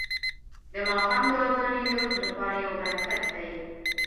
د ماښام دعاګانې د روح لپاره یو برکت دی.